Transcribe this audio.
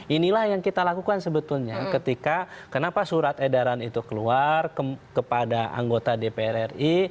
inilah yang kita lakukan sebetulnya ketika kenapa surat edaran itu keluar kepada anggota dpr ri